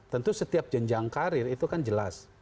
tentu setiap jenjang karir itu kan jelas